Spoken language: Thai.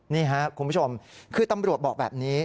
นี่ครับคุณผู้ชมคือตำรวจบอกแบบนี้